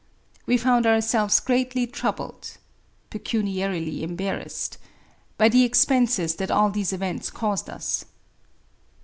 We found ourselves greatly troubled [picuniarily embark rassid"] by the expenses that all these events caused us.